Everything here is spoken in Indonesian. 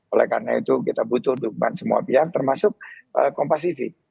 oleh karena itu kita butuh dukungan semua pihak termasuk kompasifik